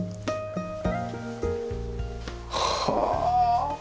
はあ。